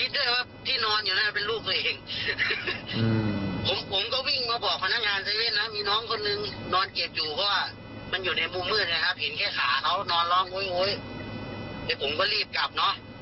พ่อหน้าบอกว่ากดไม่จับเลาะหรอกผมก็เลยห้ามใช่ลูกแน่แน่เพราะว่าผมมองไปห้องน้ำก่อน